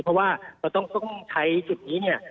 เพราะว่าเราต้องใช้จุดนี้เนี่ย